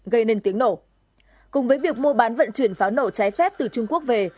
gây nên tiếng nổ cùng với việc mua bán vận chuyển pháo nổ trái phép từ trung quốc về